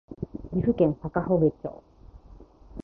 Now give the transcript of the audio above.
岐阜県坂祝町